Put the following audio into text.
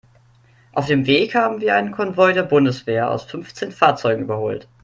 Auf dem Weg haben wir einen Konvoi der Bundeswehr aus fünfzehn Fahrzeugen überholt.